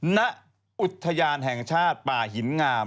ณอุทยานแห่งชาติป่าหินงาม